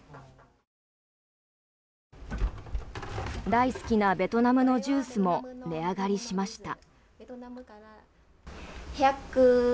大好きなベトナムのジュースも値上がりしました。